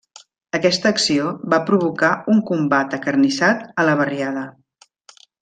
Aquesta acció va provocar un combat acarnissat a la barriada.